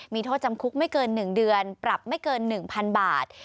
มีโทษจำคุกไม่เกินหนึ่งเดือนปรับไม่เกินหนึ่งพันบาท